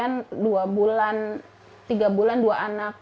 ada kesempatan satu bulan dua anak untuk transplantasi